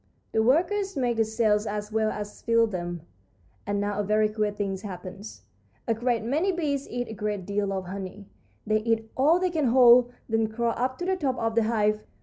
"The workers make the cells as well as fill them, and now a very queer thing happens. A great many bees eat a great deal of honey. They eat all they can hold, then crawl up to the top of the hive.